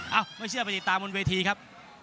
เอ้าไม่เชื่อไปติดตามบนเวทีครับ